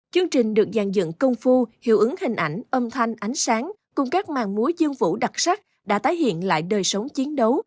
chương trình được dàn dựng công phu hiệu ứng hình ảnh âm thanh ánh sáng cùng các màn múa dương vũ đặc sắc đã tái hiện lại đời sống chiến đấu